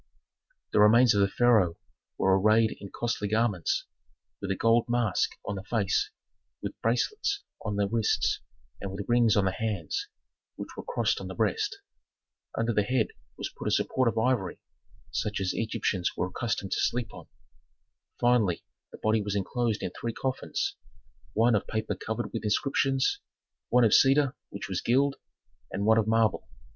The remains of the pharaoh were arrayed in costly garments, with a gold mask on the face, with bracelets on the wrists, and with rings on the hands, which were crossed on the breast. Under the head was put a support of ivory, such as Egyptians were accustomed to sleep on. Finally the body was inclosed in three coffins: one of paper covered with inscriptions, one of cedar which was gilt, and one of marble.